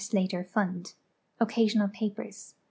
Slater Fund. Occasional Papers.